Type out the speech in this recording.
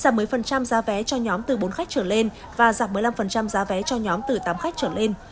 giảm một mươi giá vé cho nhóm từ bốn khách trở lên và giảm một mươi năm giá vé cho nhóm từ tám khách trở lên